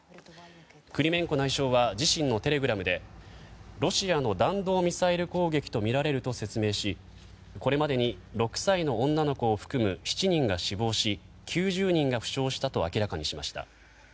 クリメンコ内相は自身のテレグラムでロシアの弾道ミサイル攻撃とみられると説明しこれまでに６歳の女の子を含む７人が死亡し９０人が負傷したと明らかにしました。